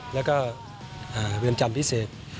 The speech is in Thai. แล้วก็เรือนจำพิเศษ